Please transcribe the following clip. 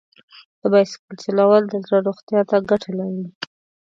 د بایسکل چلول د زړه روغتیا ته ګټه لري.